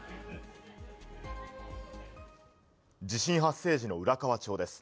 地震発生時の浦河町です。